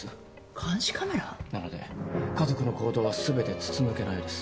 なので家族の行動は全て筒抜けのようです。